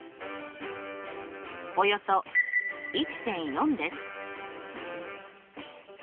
およそ１．４です。